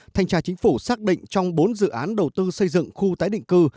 thanh tra chính phủ xác định trong bốn dự án đầu tư xây dựng khu tái định cư